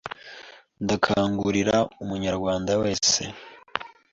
ndakangurira umunyarwanda wese